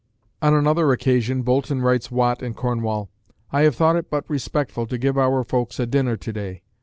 On another occasion Boulton writes Watt in Cornwall, "I have thought it but respectful to give our folks a dinner to day.